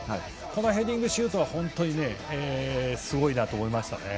このヘディングシュートは本当にすごいなと思いましたね。